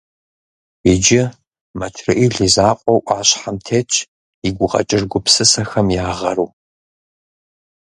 Иджы Мэчрэӏил и закъуэу ӏуащхьэм тетщ и гукъэкӏыж гупсысэхэм я гъэру.